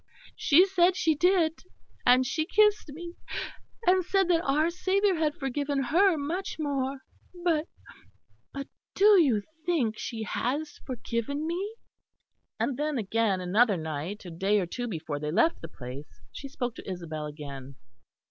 She said she did, and she kissed me, and said that our Saviour had forgiven her much more. But but do you think she has forgiven me?" And then again, another night, a day or two before they left the place, she spoke to Isabel again.